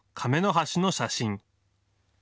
橋の写真。